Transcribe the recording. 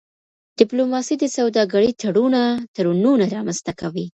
ډيپلوماسي د سوداګرۍ تړونونه رامنځته کوي.